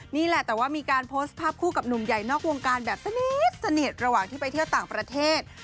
นี่แหละแต่ว่ามีการโพสต์ภาพคู่กับหนุ่มใหญ่นอกวงการแบบสนิทระหว่างที่ไปเที่ยวต่างประเทศ